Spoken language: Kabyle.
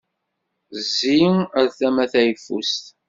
Zzi ar tama tayeffust!